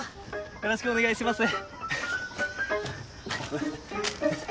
よろしくお願いします。